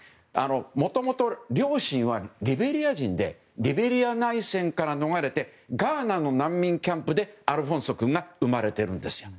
もともと両親はリベリア人でリベリア内戦から逃れてガーナの難民キャンプでアルフォンソ君が生まれているんですよ。